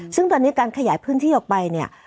ซึ่งตอนนี้การขยายพื้นที่ออกไปเนี่ย